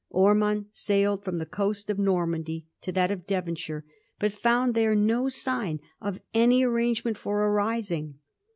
Ormond sailed from the coast of Normandj'^ to that of Devonshire, but found there no sign of any arrangement for a rising.